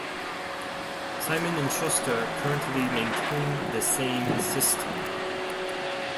Simon and Schuster currently maintain the same system.